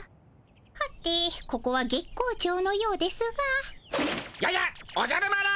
はてここは月光町のようですが。ややっおじゃる丸。